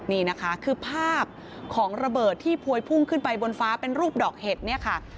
นี่นะคะคือภาพของระเบิดที่พวยพุ่งขึ้นไปบนฟ้าเป็นรูปดอกเห็ดเนี่ยค่ะ